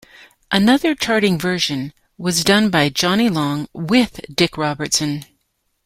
Another charting version was done by Johnny Long with Dick Robertson.